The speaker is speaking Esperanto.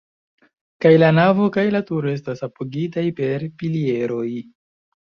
Kaj la navo kaj la turo estas apogitaj per pilieroj.